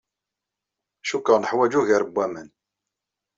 Cikkeɣ neḥwaj ugar n waman.